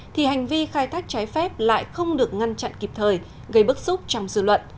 thì hành vi khai thác trái phép lại không được ngăn chặn kịp thời gây bức xúc trong dư luận